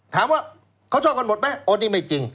ถามว่าเขาชอบกันหมดไหมโอ้นี่ไม่จริง